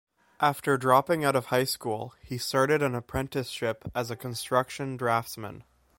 After dropping out of high school, he started an apprenticeship as a construction draftsman.